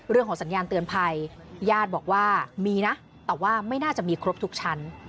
เรื่องของสัญญาณเตือนภัยยาดบอกว่ามีนะ